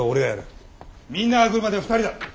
みんなが来るまで２人だ。